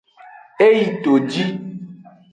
E yi toji.